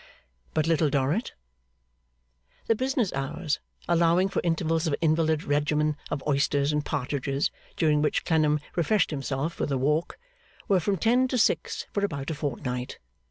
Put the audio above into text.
But Little Dorrit? The business hours, allowing for intervals of invalid regimen of oysters and partridges, during which Clennam refreshed himself with a walk, were from ten to six for about a fortnight.